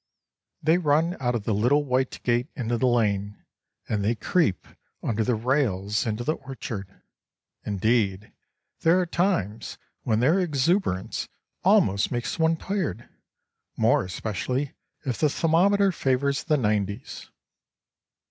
They run out of the little white gate into the lane, and they creep under the rails into the orchard. Indeed, there are times when their exuberance almost makes one tired, more especially if the thermometer favours the nineties!